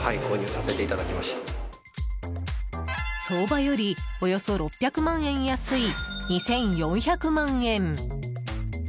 相場よりおよそ６００万円安い２４００万円。